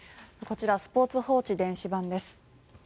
こちらスポーツ報知電子版です。